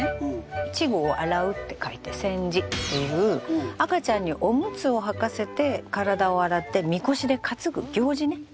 稚児を洗うって書いて洗児っていう赤ちゃんにおむつをはかせて体を洗ってみこしで担ぐ行事ね。